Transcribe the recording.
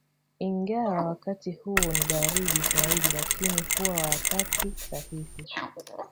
Ingawa wakati huo ni baridi zaidi lakini huwa wakati sahihi